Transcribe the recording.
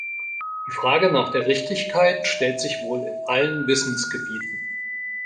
Die Frage nach der Richtigkeit stellt sich wohl in allen Wissensgebieten.